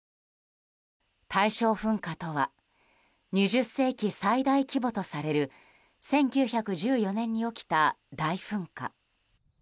大正噴火とは２０世紀最大規模とされる１９１４年に起きた大噴火。